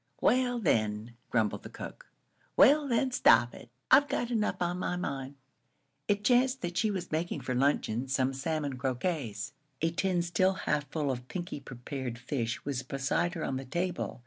"Well, then," grumbled the cook "well, then, stop it. I've got enough on my mind." It chanced that she was making for luncheon some salmon croquettes. A tin still half full of pinky prepared fish was beside her on the table.